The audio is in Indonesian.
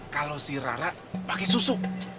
kalau si ra ra pakai susu